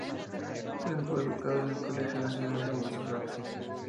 El fue educado en el Colegio Nacional de Montserrat.